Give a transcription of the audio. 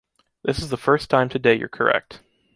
This is the first time today you’re correct.